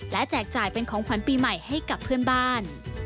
และแจกจ่ายเป็นของขวัญปีใหม่ให้กับเพื่อนบ้าน